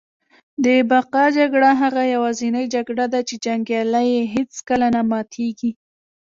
د بقا جګړه هغه یوازینۍ جګړه ده چي جنګیالی یې هیڅکله نه ماتیږي